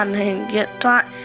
bản hình điện thoại